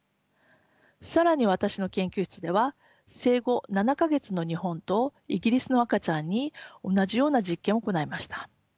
更に私の研究室では生後７か月の日本とイギリスの赤ちゃんに同じような実験を行いました。